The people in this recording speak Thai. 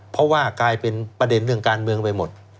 เพราะว่ากลายเป็นประเด็นเรื่องการเมืองไปหมด